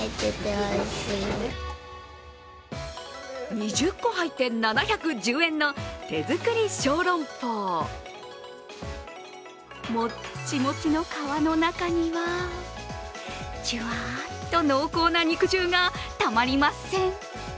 ２０個入って７１０円の手作り小籠包もっちもちの皮の中にはじゅわっと濃厚な肉汁が、たまりません。